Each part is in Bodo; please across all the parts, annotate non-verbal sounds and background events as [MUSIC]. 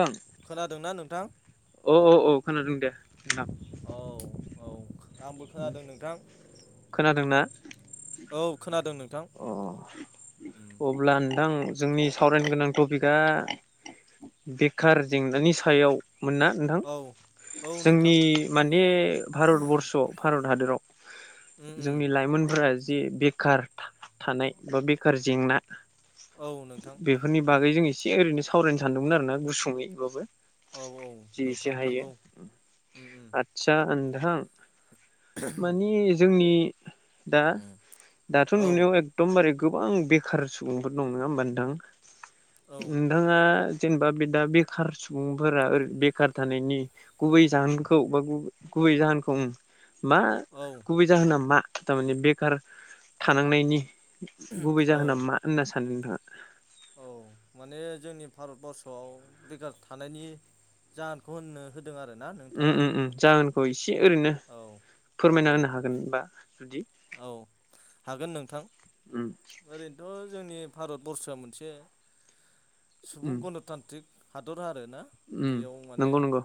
ओं खोनादोंना नोंथां अ अ औ खोनादों दे नोंथां। औ औ आंबो खोनादों नोंथां खोनादोंना औ खोनादों नोंथां अ अब्ला थां जोंनि सावरायनो गोनां टपिकआ बेखार जेंनानि सायाव मोनना नोंथां औ औ नोंथां जोंनि माने भारतबर्स भारत हादराव उम उम जोंनि लाइमोनफोरा जि बेखार था-थानाय बा बेखार जेंना औ नोंथां बेफोरनि बागै जों एस से ओरैनो सावरायनो सानदोंमोन आरो ना गुसुङैबाबो औ औ जि एसे नोंथां हायो नंगौ उम उम। आदसा नोंथां माने जोंनि दा उम दाथ' औ नुनायाव एकदमबारे गोबां बेखार सुबुंफोर दं। नङा होमबा नोंथां? औ नोंथाङा जेनेबा बे दा बेखार सुबुंफोरा बेखार थानायनि गुबै जाहोनखौ बा गुबै जाहोनखौ ओम मा औ गुबै जाहोना मा? थारमानि बेखार थानांनायनि गुबै औ जाहोना मा होनना सान्दों नोंथाङा? औ माने जोंनि भारतबरर्सआव बेखार थानायनि जाहोनखौ होननो हो दों आरोना उम नोंथाङा? उम उम जाहोनखौ एसे ओरैनो औ औ फोरमायना औ होनो हागोन होनबा जुदि औ हागोन नोंथां। उम ओरैनोथ' जोंनि भारतबर्सआ मोनसे उम सुबुं गनतान्त्रिक हादद आरोना उम बेयाव माने नंगौ नंगौ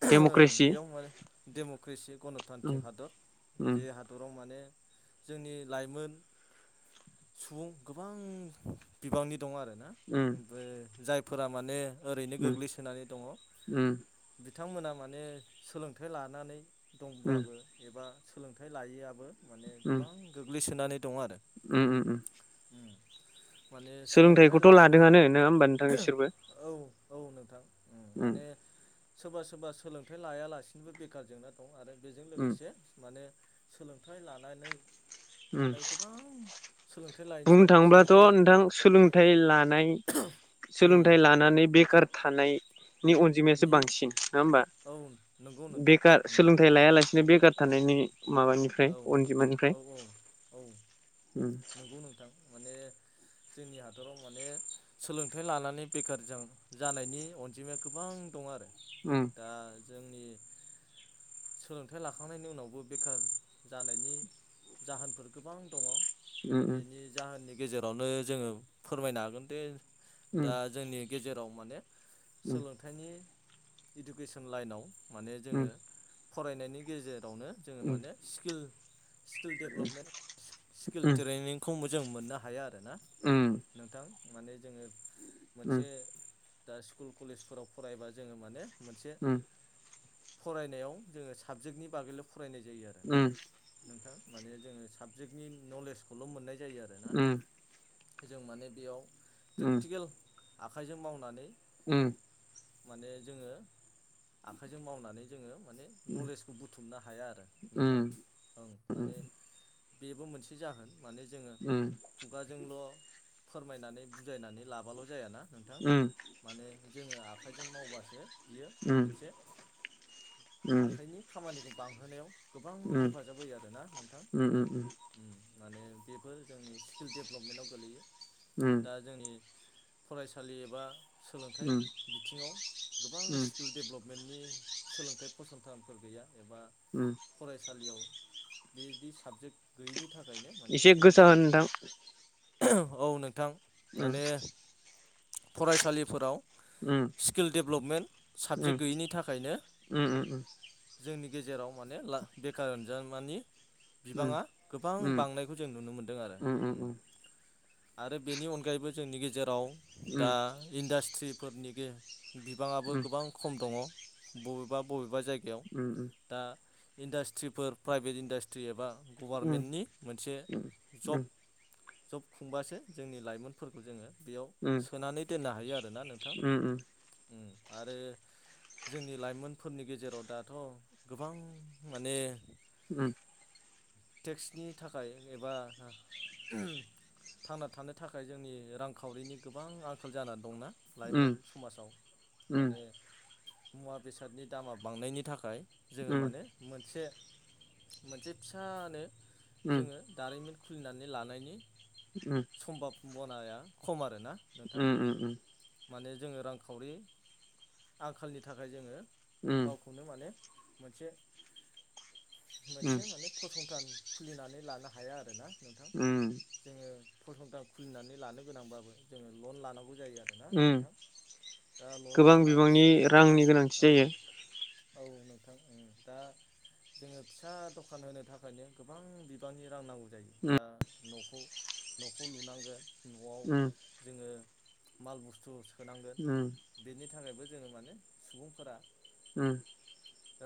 [UNINTELLIGIBLE] डेम'क्रेसि बेयाव माने डेम'क्रेसि उम गनतान्त्रिक हादर उम बे हादराव मा ने जोंनि लाइमोन सुबुं गोबां बिबांनि दं आरोना उम ओमफ्राय जाय फोरा माने ओरैनो उम गोग्लैसोनानै दङ'। उम बिथांमोना माने सोलोंथाइ फ्राय लानानै उम दंब्लाबो एबा सोलोंथाइ लायैआबो माने उम गोबां गोग्लैसोनानै दं आरो। उम उम माने सोलोंथाइ सोलोंथाइखौथ' लाखांनाय लादोंआनो नङा होमबा नोंथां इसोरबो औ औ नोंथां उम माने सोरबा सोरबा सोलोंथाइ लायालासि बेखार जेंना दं आरो बेजों उम लोगोसे माने सोलोंथाइ लानानै उम थानाय गोबां सोलों बुंनो थाङोब्लाथ' नोंथां सोलोंथाइ लानाय उम सोलोंथाइ लानानै बेखार थानाय नि अनजिमायासो नि बांसिन नङा ओमबा औ नंगौ नोंथां बेखार उम सोलोंथाइ लायालासिनो बेखार थानायनि माबानिफ्राय औ अनजिमानिफ्राय औ औ औ उम नंगौ नोंथां माने जोंनि हादराव माने सोलोंथाइ लानानै बेखार जा जानायनि अनजिमाया गोबां दं आरो उम दा जोंनि सोलोंथाइ लाखांनायनि उनावबो बेखार जानायनि जाहोनफोर गोबां दङ। उम बेनि जाहोननि गेजेरावनो जोङो फोरमायनो हागोन दे। उम दा जोंनि गेजेराव माने उम सोलोंथाइनि इडुकेसन लाइनाव माने उम जोङो फरायनायनि गेजेर आवनो जोङो माने किल स्किल देभेलपमेन्ट स्किल ट्रेनिंखौ मो जों मोननो हाया आरो ना उम नोंथां माने जोङो मोनसे दा स्कुल कलेजफोराव फरायबा जोङो माने मोनसे फरायनायाव जोङो साबजेक्टनि बागैल' फरायनाय जायो। आरो ना उम नोंथां माने जोङो साबजेक्टनि नलेजखौल' मोननाय जायो आरोना जों माने बेयाव प्रेक्टिकेल आखाइजों मावनानै ओं माने जोङो आखाइजों मावनानै जोङो माने नलेजखौ बुथुमनो हाया आरो नोंथां ओं माने बेबो मोनसे जाहोन माने जोङो खुगाजोंल' फोरमायनानै बुजायनानै लाबाल' जायाना नोंथां माने जोङो आखाइजों मावबासो बियो मोनसे आखाइनि खामानि बांहोनायाव गोबां हेफाजाब होयो आरोना नोंथां उम उम माने बेफोर जोंनि स्किल डेभलपमेन्टाव गोलैयो दा उम जोंनि फरायसालि एबा सोलोंथाइ बिथिङाव गोबां स्किल दडेभ्लपमेन्टनि सोलोंथाइ फसंथानफोर गैया एबा उम फरायसालियाव बेदि साबजेक्ट गैयिनि था इसे गोसा होन नोंथां औ नोंथां उम माने फरायसालिफोराव उम स्किल डेभेलपमेन्ट उम साबजेक्ट गैयैनि थाखायनो जोंनि गेजेराव माने ला बेखार होनजा मानि बिबांङा गोबां बांनायखौ जों नुनो मोनदों आरो उम आरो बेनि अनगायैबो जोंनि गेजेराव दा इन्डास्ट थ्रिफोरनि गे बिबांङाबो गोबां खम दङ बबेबा बबे बबेबा जायगायाव दा इन्डास्ट्रिफोर प्राइभेट इन्डास्ट्रि एबा गभारनमेन्टनि मोनसे जब खुंबासो जोंनि लाइमोनफोरखौ जोङो बेयाव सोनानै दोननो हायो आरोना नोंथां। आरो जोंनि लाइमोनफोरनि गेजेराव दाथ' गोबां माने उम। टेक्सनि थाखाय एबा थांना थानो थाखाय जोंनि रांखावरिनि गोबां आंखाल जा दंना? लाइमोन समाजाव माने-' मुवा बेसादनि दामा बांनायनि थाखाय जोङो माने मोनसे -मोनसे फिसानो जोङो दारिमिन खुलिनानै लानायनि उम। नाया खम आरो। ना नोंथां? माने जोङो रांखावरि आंखालनि थाखाय जोङो गावखौनो माने मोनसे मोनसे माने फसंथान खुलिनानै लानो हाया आरो ना। नोंथां जोङो फसंथान खुलिनानै लानो गोनांबाबो जोङो लन लानांगौ जायो। आरोना उम नोंथां दा लन गोबां लानानै बिबांनि सुख'नो रांनि गोनांथि औ जायो। औ नोंथां उम दा जोङो फिसा दखान होनो थाखायनो गोबां बिबांनि रां नांगौ जायो दा न'खौ लुनांगोन न'आव उम जोङो माल बुस थु सोनांगोन उम बेनि थाखायबो-' जोङो माने सुबुंफोरा उम।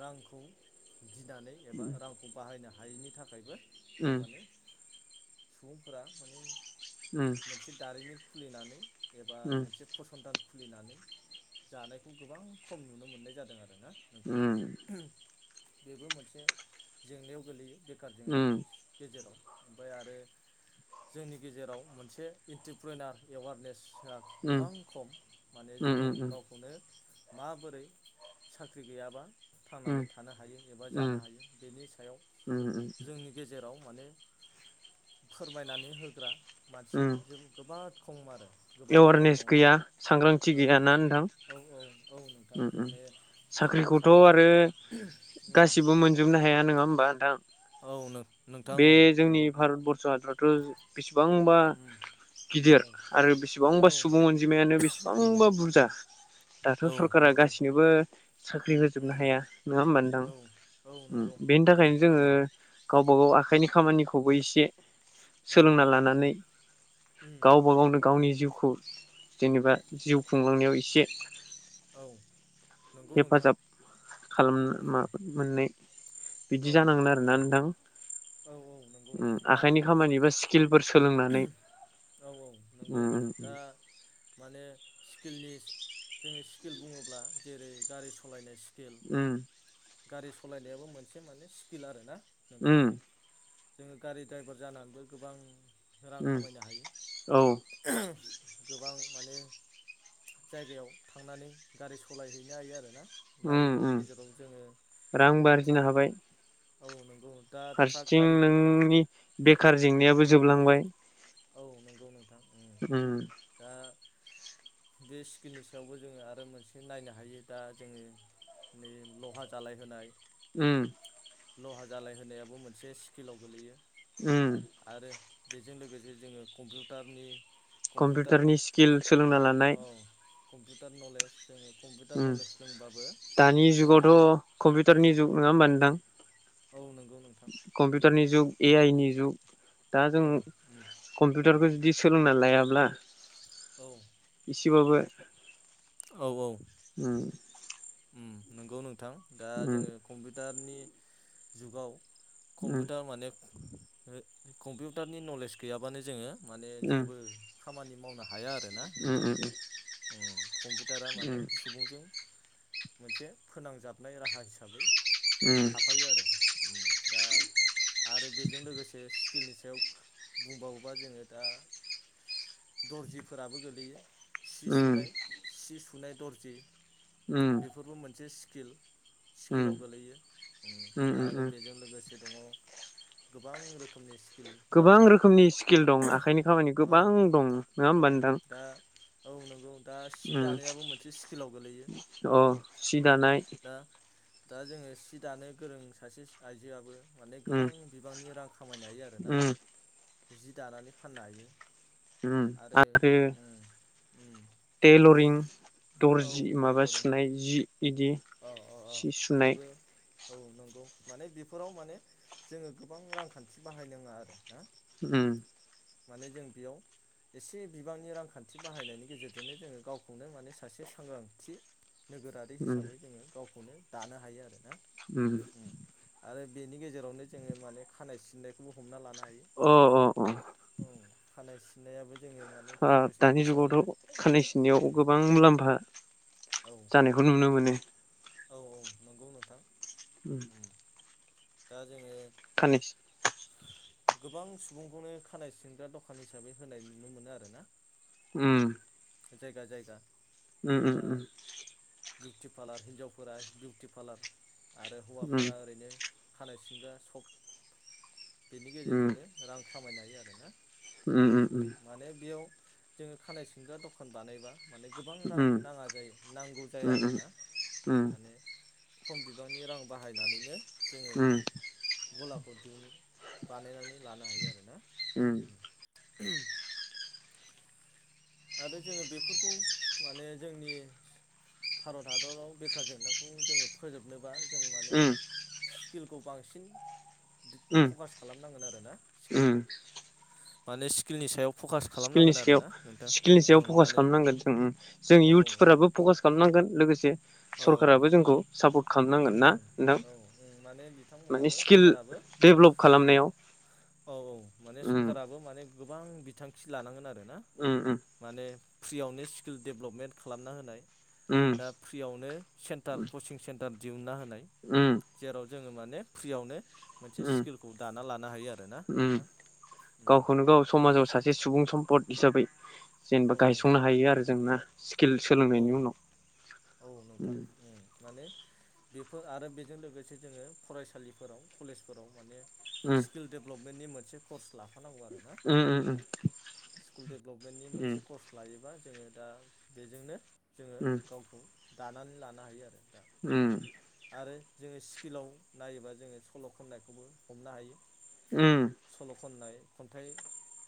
रांखौ गिनानै एबा रांखौ बाहायनो हायिनि थाखायबो जों माने सुबुंफोरा माने मोनसे दारिमिन खुलिनानै एबा मोनसे सन्थान खुलिनानै जानायखौ गोबां खम नुनो मोननाय जादों आर ना नोंथां बेबो मोनसे जेंनायाव गोलैयो बेखार जेंनानि गेजेराव ओफाय आरो जोंनि गेजेराव मोनसे इन्टिप्रनार एवारनेस गोबां माने जोङो गावखौनो माबोरै साख्रि गैयाबा थांनानै थानो हायो एबा जानो हायो बेनि सायाव उम जोंनि गेजेराव माने फोरमायनानै होग्रा मानसि उम जों गोबां खम आरो गोबां खम एवारनेस दङ गैया सांग्रांथि ओं गैयाना औ औ औ नोंथां नोंथांनो ओ ओ माने साख्रिखौथ' साख्रि बाख आरो उम गासिबो मोनजोबनो हाया नङा होमबा ब दां औ [INAUDIBLE] नोंथां बे उम जोंनि नंगौ भारतबर्स हादर र [UNINTELLIGIBLE] बेसेबां बा उम औ गिदिर आरो बेसेबां बेसेबां औ बा सुबुं अनजिमायानो बेसेबांबा बुरजा दाथ' औ सरकारा नंगौ गासैनोबो साख्रि होजोबनो उम हाया नङा होमबा औ औ नोंथां नंगौ बेनि उम थाखायनो जोङो उम गावबा गाव आ आखाइनि खामानिखौबो एसे ओं सोलोंना लानानै उम गावबा गावनो गावनि जिउखौ खौ जेनेबा जिउ खुंलांनायाव एसे औ नंगौ नोंथां हेफाजाब खालामनो म उम मोननाय बिदि औ जानांगोन आरोना उम नोंथां औ औ नंगौ आखाइनि ओमफ्राय खामानि बा स्किलफोर सोलोंनानै आरो औ नंगौ दा माने स्किलनि जोङो स्किल बुङोब्ला जेरै गारि सालायनाय स्किल ओम गारि सालायनायाबो मोनसे माने स्किल आरो ना नोंथां उम जोङो गारि ड्राइभार जानानैबो गोबां रां उम खामायनो औ हायो गोबां माने जायगायाव थांनानै गारि सालायहैनो हायो आरो ना। गारिफोरनि गेजेराव जोङो रां आरजिनो ट्राक हाबाय। औ नंगौ। दा ट्राक फारसेथिं गारिफोर दं नोंनि बेखार जेंनायाबो जोबोद बुलांबाय। औ नंगौ नोंथां। उम दा बे स्किमनि सायावबो जोङो आरो मोनसे नायनो हायो दा जोङो नै लहा जालाय होनोनाय। उम लहा जालायहोनायाबो मोनसे स्किलाव गोल्लैयो। उम बेजों लोगोसे जोङो कम्पिउटारनि। कम्पिउटार कम्पिउटारनि स्किल सोलोंना लानाय। टार नलेज जोङो। कम्पिउटार नलेज लोंबाबो दानि जों माने जुगावथ' औ कम्पिउटारनि जुग नङा होमबा नोंथां औ नंगौ नोंथां उम कम्पिउटारनि जुग ए आइ नि जुग। दा जों औ उम उम कम्पिउटारखौ जुदि सोलोंना लाया ला। औ [UNINTELLIGIBLE] थिबाबो। औ औ। उम ओम नोंगौ नोंथां। दा उम जोङो कम्पिउ दारनि जुगाव उम कम्पिउटार माने कम्पिउटारनि नलेज गैयाबानो जोङो माने जेबो खामानि मावना हाया आरोना उम नोंथां ओ। कम्पिउटारा माने सुबुंजों। मोनसे फोनांजाबनाय राहा हिसाबै उम थाफायो आरो दा आरो बेजों लोगोसे स्किलनि सायाव बुंबावोबा जोङो दा दर्जिफोराबो गोलैयो सि उम सुनाय सि सुनाय दरजि उम बेफोरबो मोनसे स्किल स्किलाव गोलैयो उम उम आरो उम बेजों लोगोसे दङ गोबां रोखोमनि सि गोबां रोखोमनि स्किल दं आखाइनि खामानि गोबां ओं दं नङा होमबा ओं नोंथां दा औ नंगौ दा सि उम दानायाबो मोनसे स्किलाव गोलैयो अ सि दानाय दा दा जोङो सि दानो गोरों सासे आइजोआबो माने उम गोबां बिबांनि रां खामायनो हायो आरो ना उम जि दानानै फाननो हायो उम आरो उम उम टेलरिं औ दर्जि माबा टेलरिं सुनाय जि इदि अ अ अ सि सुनाय बेबो औ नंगौ माने बेफोराव माने जोङो गोबां रांखान्थि बाहायनाङा आरो ना उम माने जों बेयाव एसे बिबांनि रांखान्थि बाहायनायनि गेजेरजोंनो जोङो गावखौनो माने सासे सांग्रांथि नोगोरारि उम हिसाबै जोङो गावखौ खौनो दानो हायो आरो उम आरो बेनि गेजेरावनो जोङो माने खानाय सिननायखौबो हमना लानो हायो अ अ अ औ खानाय सिनायाबो ओ दानि जुगावथ' खानाय उम सिननाययाव गोबां मुलाम्फा औ जानायखौ नुनो मोनो। औ औ नंगौ नोंथां। उम दा जोङो खानाय गोबां सुबुंखौनो खानाय सिनग्रा द'खान हिसाबै होनाय नुनो मोनो आरो ना? उम जायगा जायगा उम उम दा उम बिउटि पालार हिनजावफोरा बिउटि पालार आरो हौवाफोरा ओरैनो खानाय सिनग्रा सब बेनि उम गेजेरजोंनो रां खामायनो हायो आरो ना उम माने बेयाव जोङो खानाय सिनग्रा द'खान बानायबा माने गोबां रां उम नाङा जायो नांगौ जाया उम उम आरोना माने खम बिबांनि रां बाहायनानैनो जोङो उम गलाखौ दिहुन बानायनानै लानो हायो आरो ना। उम आरो जोङो बेफोरखौ माने जोंनि भारत हादराव बेखार जेंनाखौ जोङो फोजोबनोबा जों माने उम स्किलखौ बांसिन उम फकास खालामनांगोन आरो ना उम स्किलखौ माने स्किलनि सायाव फकास खालामनांगोन आरो ना नोंथां इलनि सायाव ओं फकास माने खामनांगोन उम जों औ इउथ्सफोराबो फकास खालामनांगोन लोगोसे औ सरखाराबो जोंखौ सापर्ट खालामनांगोन ना ओं नोंथां औ उम माने माने बिथांमोनाबो स्किल सरखाराबो डेभलप खालामनायाव औ औ माने उम सरखाराबो माने गोबां बिथांखि लानांगोन आरो। ना उम उम माने फ्रियावनो स्किल डेभलपमेन्ट खालामना होनाय उम दा फ्रियावनो सेन्टार कचिं सेन [UNINTELLIGIBLE] [UNINTELLIGIBLE] उम जेराव जोङो माने फ्रियावनो मोनसे उम स्किलखौ दाना लानो हायो आरो ना उम नोंथां। गावखौनो गाव समाजाव सासे सुबुं सम्पद हिसाबै जेनबा औ गायसंनो हायो आरो जों ना। किल औ सोलोंनायनि उनाव। औ नोंथां उम माने बेफोर आरो बेजों लोगोसे जोङो फरायसालिफोराव कलेजफोराव माने स्किल डेब्लप बेनि मोनसे कर्स ला। फानांगौ आरोना उम उम स्कुल देभेलपमेन्नि मोनसे उम कर्स लायोबा जोङो दा बेजोंनो जोङो उम गावखौ दानानै लानो हायो आरो। दा उम। आरो जोङो स्किलाव नायोबा जोङो सल' खननायखौबो हमनो हायो। उम। सल' खननाय खन्थाइ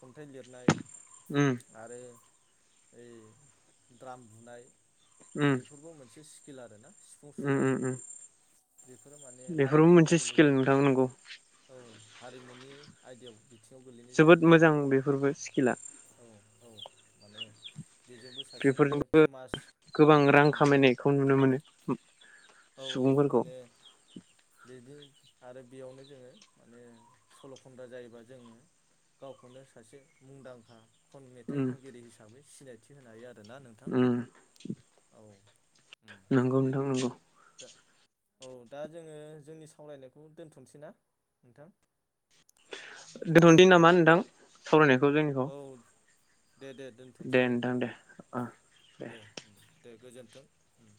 खन्थाइ लिरनाय आरो ओइ द्राम बुनाय। उम बेफोरबो मोनसे स किल आरोना। सिफुं उम सुनाय उम उम बेफोरो माने बेफोरबो हारिमुवआव मोनसे स्किल गोलैनाय नोंथां नंगौ औ। हारिमुनि आयदायाव बिथिङाव गोलैनाय जोबोद जाहैबाय मोजां आरोना बेफोरबो स्किला औ औ। माने बेजोंबो सासे नोङो बेफोरजोंबो फेमास गोबां रां खामायनायखौ नुनो मोनो। औ औ सुबुंफोरखौ माने बिदि आरो बेयावनो जोङो माने सल' खनग्रा जायोबा जों गावखौनो सासे मुंदांखा खन मेथाइ उम खनगिरि हिसाबै सिनायथि थि होनो हायो आरो ना नोंथां औ नोंगौ नोंथां नोंगौ दा औ दा जोङो जोंनि सावरायनायखौ दोन्थनोसै ना नोंथां दोथदिनि नामा नोंथां सावरायनायखौ जोंनिखौ औ दे दे दोनथसै दे दे ओ दे ओम दे गोजोन्थों होम